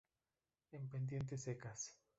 En pendientes secas.